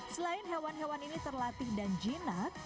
selain hewan hewan ini terlatih dan jinak